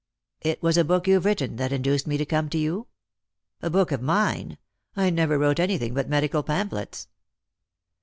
It was a book you've written that induced me to come to you." " A book of mine ! I never wrote anything but medical pamphlets.